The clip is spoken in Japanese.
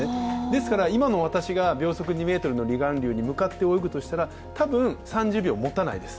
今の私が秒速２メートルの離岸流に向かって泳ぐとしたらたぶん、３０秒もたないです。